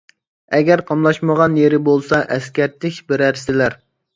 ئەگەر قاملاشمىغان يېرى بولسا ئەسكەرتىش بېرەرسىلەر.